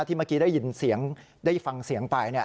เมื่อกี้ได้ยินเสียงได้ฟังเสียงไป